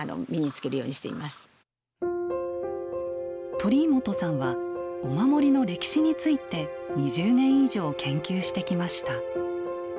鳥居本さんはお守りの歴史について２０年以上研究してきました。